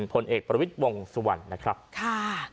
พลเอกประวิทย์วงสุวรรณนะครับค่ะ